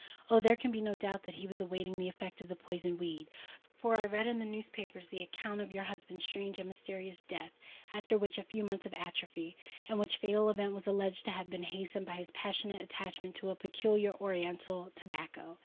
Oh! there can be no doubt that he was awaiting the effect of the poisoned weed;—for I read in the newspapers the account of your husband's strange and mysterious death after a few months of atrophy, and which fatal event was alleged to have been hastened by his passionate attachment to a peculiar oriental tobacco.